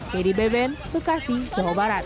kdb ben bekasi jawa barat